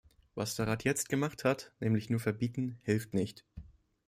Was der Rat jetzt gemacht hat, nämlich nur verbieten, hilft nicht.